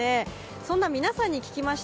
そんな皆さんに聞きました。